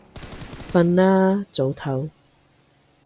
瞓啦，早唞